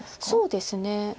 そうですね。